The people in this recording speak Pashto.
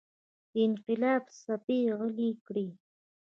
د انقلاب څپې غلې کړي.